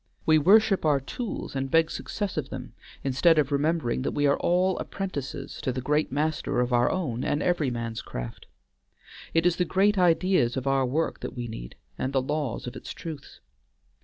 We worship our tools and beg success of them instead of remembering that we are all apprentices to the great Master of our own and every man's craft. It is the great ideas of our work that we need, and the laws of its truths.